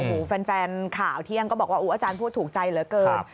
โอ้โหแฟนข่าวเที่ยงก็บอกว่าอาจารย์พูดถูกใจเหลือเกิน